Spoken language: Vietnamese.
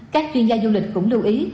các chuyên gia du lịch cũng lưu ý